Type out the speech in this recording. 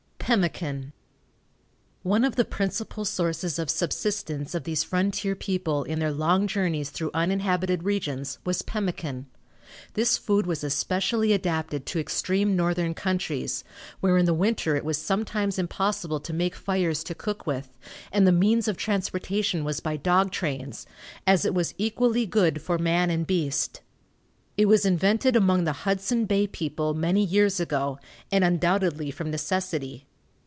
PEMMICAN. One of the principal sources of subsistence of these frontier people in their long journeys through uninhabited regions was pemmican. This food was especially adapted to extreme northern countries, where in the winter it was sometimes impossible to make fires to cook with, and the means of transportation was by dog trains, as it was equally good for man and beast. It was invented among the Hudson Bay people, many years ago, and undoubtedly from necessity.